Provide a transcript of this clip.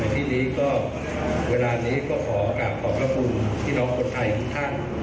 ที่นี้ก็เวลานี้ก็ขอกลับขอบพระคุณพี่น้องคนไทยทุกท่าน